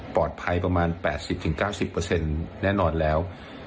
ปลอดภัยประมาณ๘๐๙๐เปอร์เซ็นต์แน่นอนแล้ว